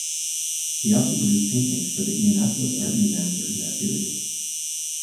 He also produced paintings for the Indianapolis Art Museum during that period.